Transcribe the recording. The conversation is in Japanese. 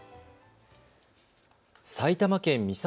埼玉県美里